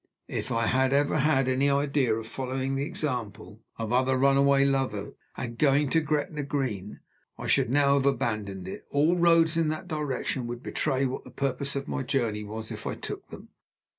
If I had ever had any idea of following the example of other runaway lovers, and going to Gretna Green, I should now have abandoned it. All roads in that direction would betray what the purpose of my journey was if I took them.